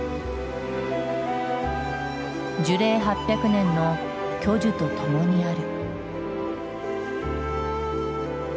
樹齢８００年の巨樹とともにある。